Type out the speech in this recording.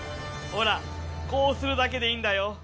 ほらこうするだけでいいんだよ。